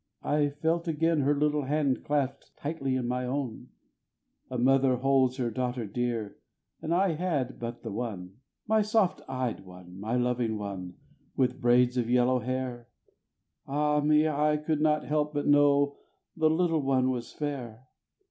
I felt again her little hand clasped tightly in my own A mother holds her daughter dear, and I had but the one. My soft eyed one, my loving one, with braids of yellow hair Ah me! I could not help but know the little one was fair.